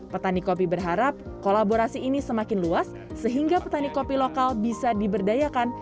petani kopi berharap kolaborasi ini semakin luas sehingga petani kopi lokal bisa diberdayakan